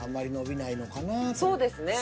そうですね。